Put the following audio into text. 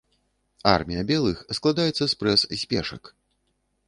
Армія белых складаецца спрэс з пешак.